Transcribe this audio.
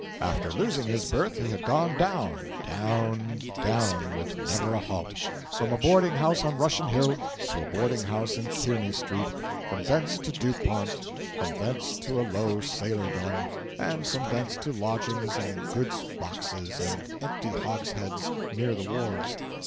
After losing his berth he had gone down, down, down, with never a halt: from a boarding house on Russian Hill to a boarding house in Kearney street; from thence to Dupont; from thence to a low sailor den; and from thence to lodgings in goods boxes and empty hogsheads near the wharves.